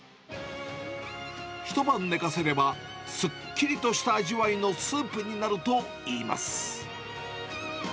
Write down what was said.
一晩寝かせれば、すっきりとした味わいのスープになるといいます。